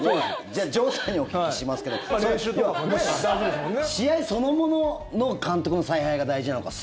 じゃあ城さんにお聞きしますけど試合そのものの監督の采配が大事なのか